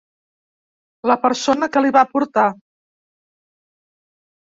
La persona que l'hi va portar.